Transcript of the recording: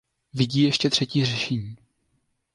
Vidí ještě třetí řešení.